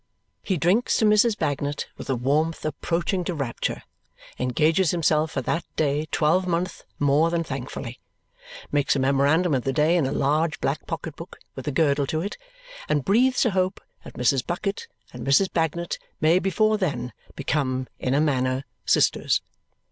He drinks to Mrs. Bagnet with a warmth approaching to rapture, engages himself for that day twelvemonth more than thankfully, makes a memorandum of the day in a large black pocket book with a girdle to it, and breathes a hope that Mrs. Bucket and Mrs. Bagnet may before then become, in a manner, sisters.